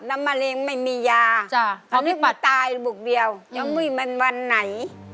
น้ำมะเร็งไม่มียามันตายบุคเดียวไม่มีมันวันไหน